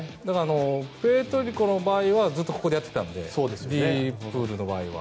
プエルトリコの場合はずっとここでやっていたのでＤプールの場合は。